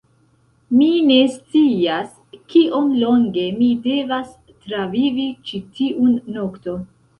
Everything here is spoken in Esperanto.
Mi ne scias kiom longe mi devas travivi ĉi tiun nokton.